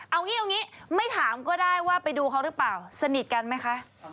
เอางี้เอางี้ไม่ถามก็ได้ว่าไปดูเขาหรือเปล่าสนิทกันไหมคะ